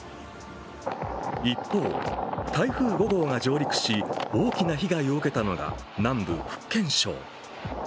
一方、台風５号が上陸し大きな被害を受けたのは南部・福建省。